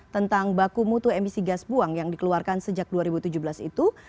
tentang baku mutu emisi gas buang yang dikeluarkan sejak dua ribu tujuh belas itu